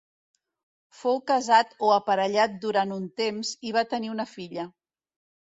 Fou casat o aparellat durant un temps i va tenir una filla.